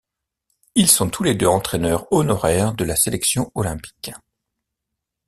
Ils sont tous les deux entraîneurs honoraires de la sélection olympique.